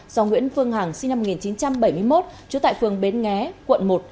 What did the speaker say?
do nguyễn phương hằng sinh năm một nghìn chín trăm bảy mươi một trú tại phường bến nghé quận một